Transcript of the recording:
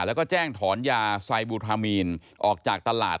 แล้วก็แจ้งถอนยาไซบูทรามีนออกจากตลาด